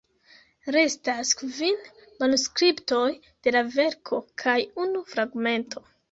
Restas kvin manuskriptoj de la verko, kaj unu fragmento.